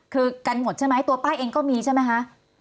คือกันหมดใช่ไหมตัวป้ายเองก็มีใช่ไหมคะ